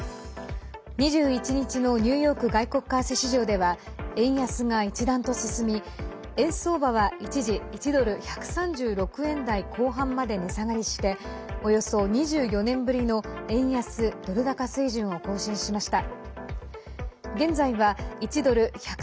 ２１日のニューヨーク外国為替市場では円安が一段と進み、円相場は一時１ドル＝１３６円台後半まで値下がりしておよそ２４年ぶりの円安ドル高水準を更新しました。